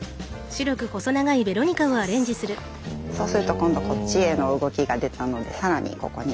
そうすると今度こっちへの動きが出たので更にここに。